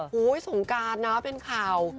สงการนะเป็นข่าว